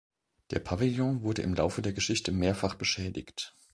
Der Pavillon wurde im Laufe der Geschichte mehrfach beschädigt.